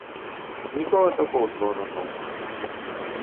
Нічога такоўскага на том.